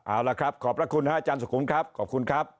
เอาละครับขอบพระคุณฮะอาจารย์สุขุมครับขอบคุณครับ